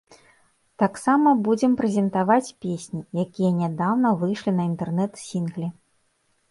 Таксама будзем прэзентаваць песні, якія нядаўна выйшлі на інтэрнэт-сінгле.